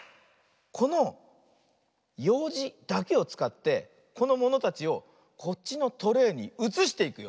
このようじだけをつかってこのものたちをこっちのトレーにうつしていくよ。